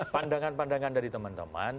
pandangan pandangan dari teman teman